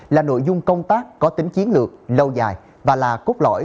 là nội dung công tác có tính chiến lược lâu dài và là cốt lõi